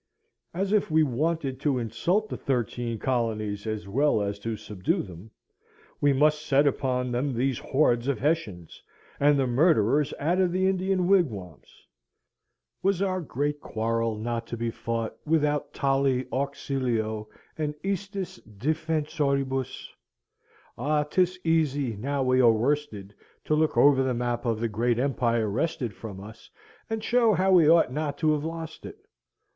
As if we wanted to insult the thirteen colonies as well as to subdue them, we must set upon them these hordes of Hessians, and the murderers out of the Indian wigwams. Was our great quarrel not to be fought without tali auxilio and istis defensoribus? Ah! 'tis easy, now we are worsted, to look over the map of the great empire wrested from us, and show how we ought not to have lost it.